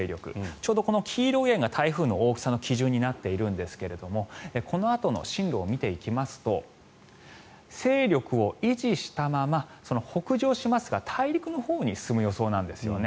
ちょうどこの黄色い円が台風の大きさの基準になっているんですがこのあとの進路を見ていきますと勢力を維持したまま北上しますが、大陸のほうに進む予想なんですよね。